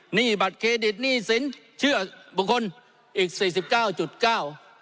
หนี้บัตรเครดิตหนี้สินเชื่อบุคคลอีกสี่สิบเก้าจุดเก้า